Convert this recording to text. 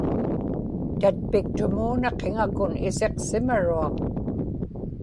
tatpiktumuuna qiŋakun isiqsimaruaq